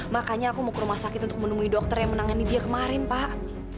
makanya aku mau ke rumah sakit untuk menemui dokter yang menangani dia kemarin pak